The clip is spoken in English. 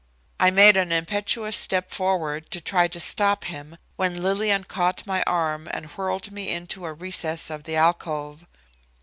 I made an impetuous step forward to try to stop him when Lillian caught my arm and whirled me into a recess of the alcove.